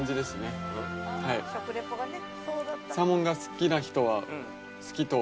食リポがね。